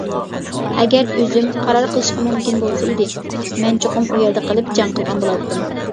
ئەگەر ئۆزۈم قارار قىلىشقا مۇمكىن بولسا ئىدى، مەن چوقۇم ئۇ يەردە قېلىپ، جەڭ قىلغان بولاتتىم.